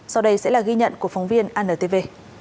sau đây sẽ là ghi nhận của phóng viên antv